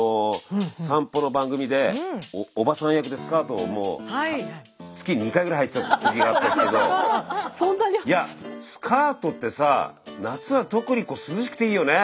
散歩の番組でおばさん役でスカートを月に２回ぐらいはいてた時があったんですけどいやスカートってさ夏は特に涼しくていいよね。